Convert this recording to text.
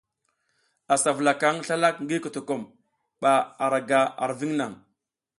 A sa vula kan slalak ngii kotokom ba ara ga ar viŋ naŋ.